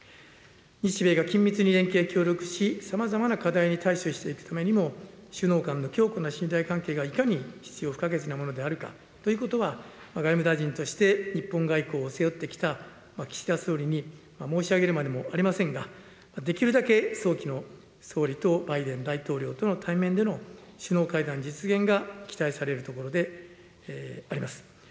日米が緊密に連携・協力し、さまざまな課題に対処していくためにも、首脳間の強固な信頼関係がいかに必要不可欠なものであるかということは外務大臣として日本外交を背負ってきた岸田総理に申し上げるまでもありませんが、できるだけ早期の総理とバイデン大統領との対面での首脳会談実現が期待されるところであります。